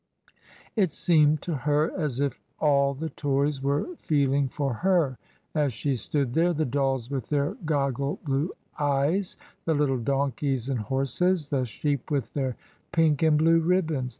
It seemed to her as if all the toys were feeling for her as she stood there — the dolls with their goggle blue eyes, the little donkeys and horses, the sheep with their pink and blue ribbons.